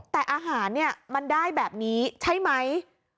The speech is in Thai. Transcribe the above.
แต่อาหารเนี่ยมันได้แบบนี้ใช่ไหม